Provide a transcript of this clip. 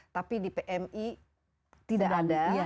tapi di pmi tidak ada